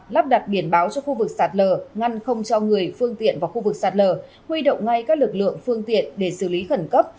lắp đặt biển báo cho khu vực sạt lở ngăn không cho người phương tiện vào khu vực sạt lở huy động ngay các lực lượng phương tiện để xử lý khẩn cấp